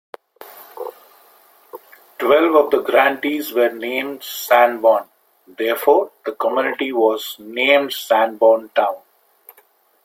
Twelve of the grantees were named Sanborn, therefore the community was named Sanborntown.